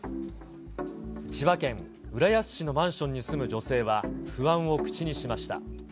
千葉県浦安市のマンションに住む女性は、不安を口にしました。